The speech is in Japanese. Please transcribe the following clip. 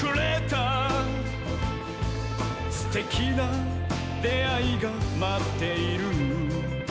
「すてきなであいがまっている」